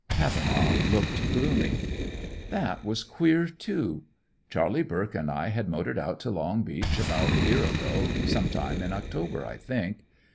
Cavenaugh looked gloomy. "That was queer, too. Charley Burke and I had motored out to Long Beach, about a year ago, sometime in October, I think.